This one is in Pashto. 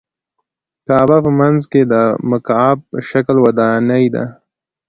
کعبه په منځ کې د مکعب په شکل ودانۍ ده.